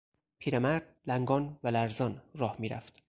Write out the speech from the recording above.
پیرمرد لنگان و لرزان راه میرفت.